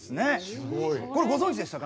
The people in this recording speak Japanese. すごい。これご存じでしたか？